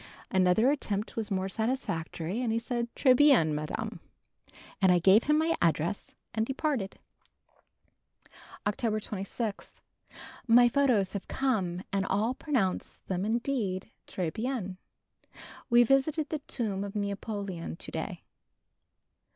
Another attempt was more satisfactory and he said "Très bien, Madame," and I gave him my address and departed. October 26. My photographs have come and all pronounce them indeed "très bien." We visited the Tomb of Napoleon to day.